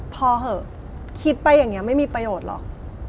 พอเหอะคิดไปอย่างนี้ไม่มีประโยชน์หรอก